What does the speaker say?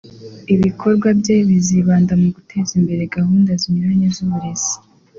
Ibikorwa bye bizibanda mu guteza imbere gahunda zinyuranye z’uburezi